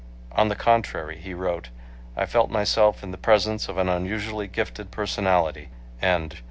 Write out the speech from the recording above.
On the contrary he wrote, "I felt myself in the presence of an unusually gifted personality" and